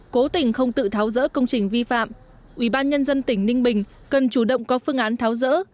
cố tình không tự tháo rỡ công trình vi phạm ủy ban nhân dân tỉnh ninh bình cần chủ động có phương án tháo rỡ